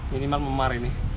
minimal memar ini